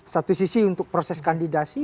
satu sisi untuk proses kandidasi